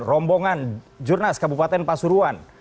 rombongan jurnas kabupaten pasuruan